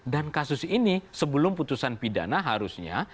dan kasus ini sebelum putusan pidana harusnya